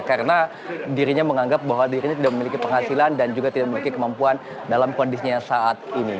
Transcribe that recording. karena dirinya menganggap bahwa dirinya tidak memiliki penghasilan dan juga tidak memiliki kemampuan dalam kondisinya saat ini